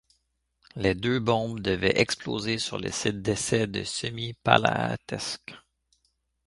Les deux bombes devaient exploser sur le site d'essai de Semipalatinsk.